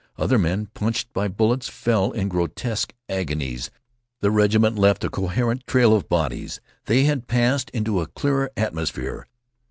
Other men, punched by bullets, fell in grotesque agonies. The regiment left a coherent trail of bodies. They had passed into a clearer atmosphere.